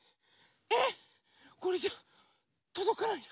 えっこれじゃとどかない。